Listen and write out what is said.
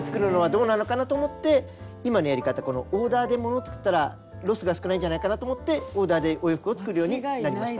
どうなのかなと思って今のやり方このオーダーで物作ったらロスが少ないんじゃないかと思ってオーダーでお洋服を作るようになりました。